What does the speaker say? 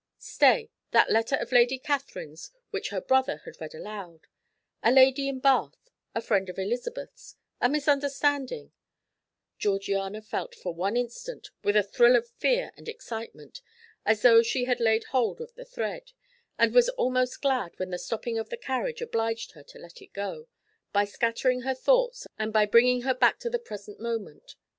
Stay that letter of Lady Catherine's which her brother had read aloud a lady in Bath, a friend of Elizabeth's a misunderstanding Georgiana felt for one instant, with a thrill of fear and excitement, as though she had laid hold of the thread; and was almost glad when the stopping of the carriage obliged her to let it go, by scattering her thoughts and her bringing her back to the present moment.